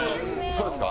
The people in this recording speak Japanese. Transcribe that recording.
そうですか？